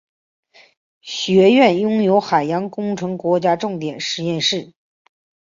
学院拥有海洋工程国家重点实验室。